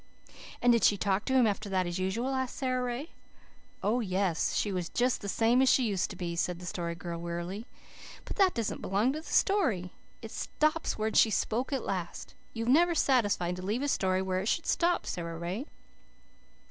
'" "And did she talk to him after that as usual?" asked Sara Ray. "Oh, yes, she was just the same as she used to be," said the Story Girl wearily. "But that doesn't belong to the story. It stops when she spoke at last. You're never satisfied to leave a story where it should stop, Sara Ray."